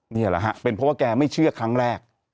นี่แหละฮะเป็นเพราะว่าแกไม่เชื่อครั้งแรก